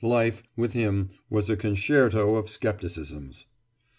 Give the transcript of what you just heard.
Life, with him, was a concerto of skepticisms.